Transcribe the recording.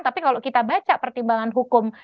tapi kalau kita baca pertimbangan hukum